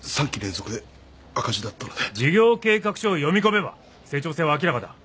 事業計画書を読み込めば成長性は明らかだ